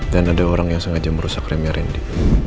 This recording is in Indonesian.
dan ada orang yang sengaja merusak remnya randy